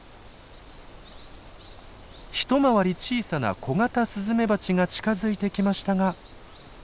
一回り小さなコガタスズメバチが近づいてきましたが。